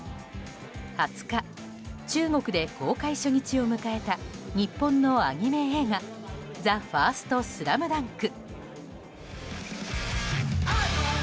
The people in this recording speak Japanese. ２０日、中国で公開初日を迎えた日本のアニメ映画「ＴＨＥＦＩＲＳＴＳＬＡＭＤＵＮＫ」。